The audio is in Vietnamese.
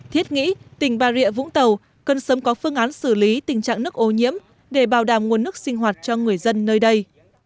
thiết nghĩ tỉnh bà rịa vũng tàu cần sớm có phương án xử lý tình trạng nước ô nhiễm để bảo đảm nguồn nước sinh hoạt cho người dân nơi đây